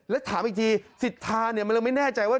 และถามอีกทีศิษฐามันเลยไม่แน่ใจว่า